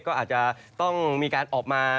ก็อาจจะต้องมีการออกมา